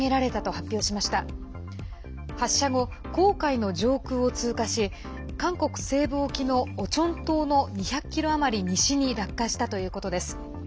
発射後、黄海の上空を通過し韓国西部沖のオチョン島の２００ｋｍあまり西に落下したということです。